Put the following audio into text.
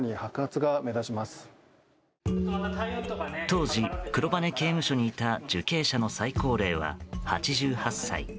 当時、黒羽刑務所にいた受刑者の最高齢は８８歳。